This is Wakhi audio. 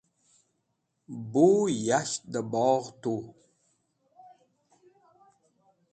Bu yash da bogh tu.